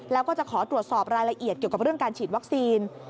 แล้วก็จะขอตรวจสอบรายละเอียดเกี่ยวกับเรื่องการฉีดวัคซีน